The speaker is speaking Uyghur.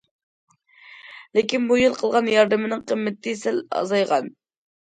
لېكىن بۇ يىل قىلغان ياردىمىنىڭ قىممىتى سەل ئازايغان.